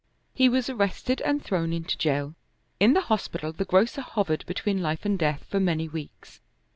He was arrested and thrown into jail. In the hospital the grocer hovered between life and death for many weeks.